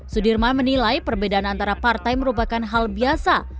sudirman menilai perbedaan antara partai merupakan hal biasa